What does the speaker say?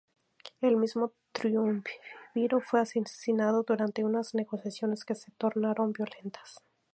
El mismo triunviro fue asesinado durante unas negociaciones que se tornaron violentas.